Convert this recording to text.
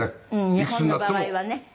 日本の場合はね。